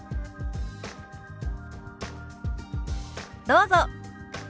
どうぞ。